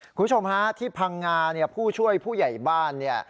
คุณผู้ชมฮะที่พังงาเนี่ยผู้ช่วยผู้ใหญ่บ้านเนี่ย